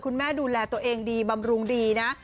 คุณแม่ดูแลตัวเองดีบำรุงดีนะ